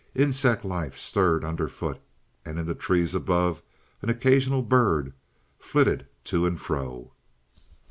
Insect life stirred underfoot, and in the trees above an occasional bird flitted to and fro.